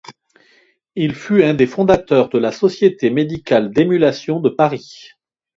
Il fut un des fondateurs de la Société médicale d’émulation de Paris.